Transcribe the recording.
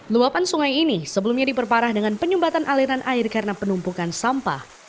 luapan sungai ini sebelumnya diperparah dengan penyumbatan aliran air karena penumpukan sampah